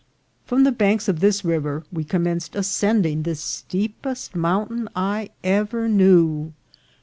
From the banks of this river we commenced ascend ing the steepest mountain I ever knew.